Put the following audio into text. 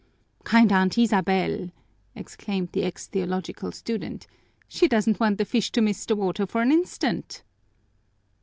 "Kind Aunt Isabel!" exclaimed the ex theological student. "She doesn't want the fish to miss the water for an instant!"